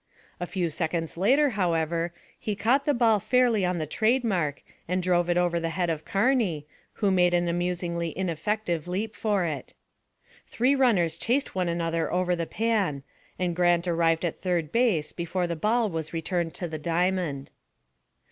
A few seconds later, however, he caught the ball fairly on the trade mark and drove it over the head of Carney, who made an amusingly ineffective leap for it. Three runners chased one another over the pan, and Grant arrived at third base before the ball was returned to the diamond.